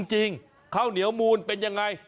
ข้าวเหนียวมูลเป็นยังไง